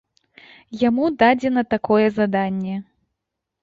Яму дадзена такое заданне.